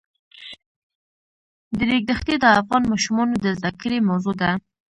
د ریګ دښتې د افغان ماشومانو د زده کړې موضوع ده.